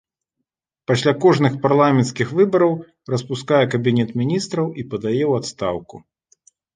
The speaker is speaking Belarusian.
Пасля кожных парламенцкіх выбараў распускае кабінет міністраў і падае ў адстаўку.